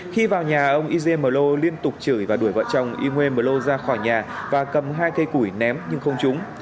khi vào nhà ông yngwe mờ lô liên tục chửi và đuổi vợ chồng yngwe mờ lô ra khỏi nhà và cầm hai cây củi ném nhưng không trúng